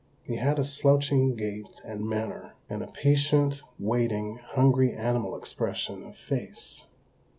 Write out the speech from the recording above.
He had a slouching gait and manner, and a patient, waiting, hungry animal expression of face.